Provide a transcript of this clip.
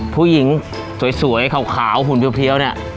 ผู้หญิงสวยขาวหุ่นเพี้ยวเนี่ย